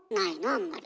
あんまり。